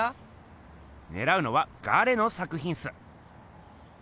ねらうのは「ガレ」の作ひんっす。